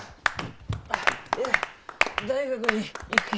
あいや大学に行くき。